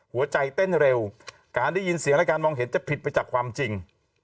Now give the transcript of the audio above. หัวใจเต้นเร็วการได้ยินเสียงและการมองเห็นจะผิดไปจากความจริง